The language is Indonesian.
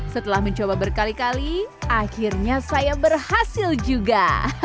setelah mencoba berkali kali akhirnya saya berhasil juga